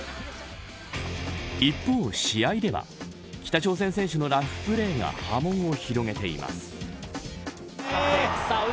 一方、試合では北朝鮮選手のラフプレーが波紋を広げています。